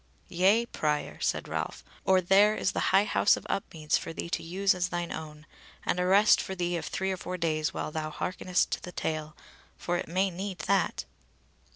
"Yea, Prior," said Ralph, "or there is the High House of Upmeads for thee to use as thine own, and a rest for thee of three or four days while thou hearkenest the tale; for it may need that."